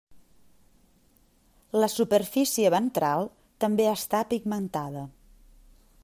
La superfície ventral també està pigmentada.